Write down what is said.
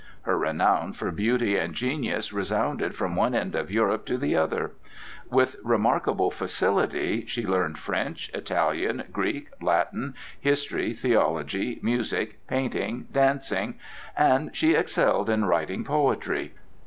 Her renown for beauty and genius resounded from one end of Europe to the other. With remarkable facility she learned French, Italian, Greek, Latin, history, theology, music, painting, dancing, and she excelled in writing poetry.